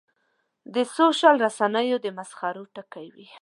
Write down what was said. د سوشل رسنیو د مسخرو ټکی وي.